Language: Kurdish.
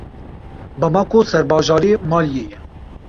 Bamako serbajarê Maliyê ye.